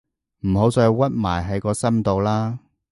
唔好再屈埋喺個心度喇